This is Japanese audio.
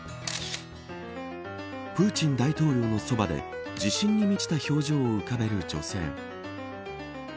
プーチン大統領のそばで自信に満ちた表情を浮かべる女性。